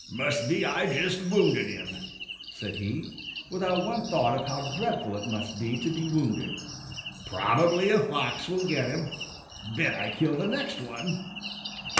"Must be I just wounded him," said he, without one thought of how dreadful it must be to be wounded. "Probably a fox will get him. Bet I kill the next one!"